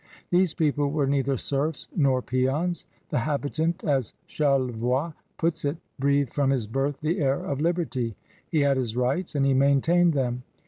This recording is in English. These people were neither serfs nor peons, llie habitant, as Charlevoix puts it, "breathed from bis birth the air of liberty"; he had his rights and he maintained them.